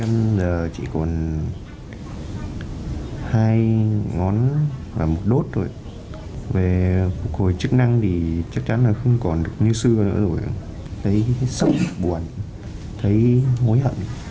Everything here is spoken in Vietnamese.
nhiều người cũng thấy sống buồn thấy hối hận